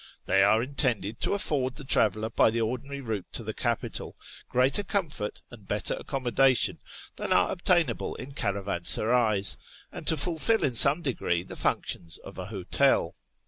They are intended to afford the traveller by the ordinary route to the capital greater comfort and better accommodation than are obtainable in cara vansarays, and to fulfil in some degree the functions of a hotel.